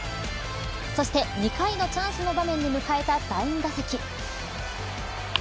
そして、２回のチャンスの場面で迎えた第２打席。